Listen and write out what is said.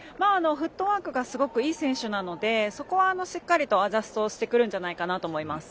フットワークがすごくいい選手なのでそこはしっかりとアジャストをしてくるんじゃないかなと思います。